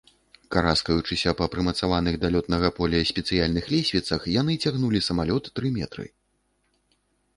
Караскаючыся па прымацаваных да лётнага поля спецыяльных лесвіцах, яны цягнулі самалёт тры метры.